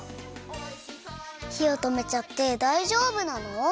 ひをとめちゃってだいじょうぶなの？